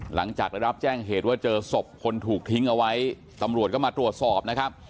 หลังจากได้รับแจ้งเหตุว่าเจอศพคนถูกทิ้งเอาไว้ตำรวจก็มาตรวจสอบนะครับ